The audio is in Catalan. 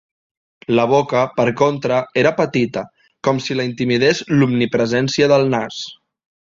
La boca, per contra, era petita, com si la intimidés l'omnipresència del nas.